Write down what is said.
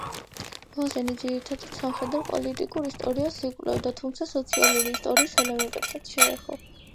მომზენი ძირითადად სამხედრო-პოლიტიკურ ისტორიას იკვლევდა, თუმცა სოციალური ისტორიის ელემენტებსაც შეეხო.